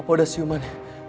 papa udah siuman